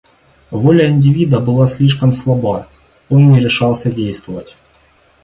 Воля индивида была слишком слаба, он не решался действовать.